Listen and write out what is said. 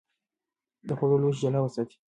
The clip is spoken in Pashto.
د خوړو لوښي جلا وساتئ.